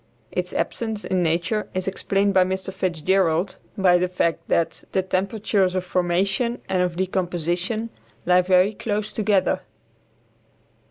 Its absence in nature is explained by Mr. Fitzgerald by the fact that "the temperatures of formation and of decomposition lie very close together."